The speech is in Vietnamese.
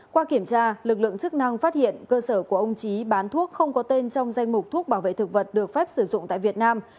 qua kiểm tra lực lượng chức năng phát hiện cơ sở của ông trí bán thuốc không có tên trong danh mục thuốc bảo vệ thực vật được phép sử dụng tại việt nam